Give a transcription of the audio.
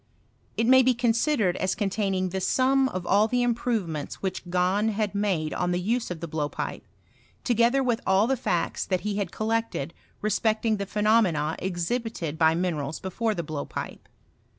It may be considered as containing' the sum of all the Improvements which Gahn had made' cat the use of the blowpipe, together with bU the facts that he had collected respecting the pheno mena exhibited by minerals before the blowpipe.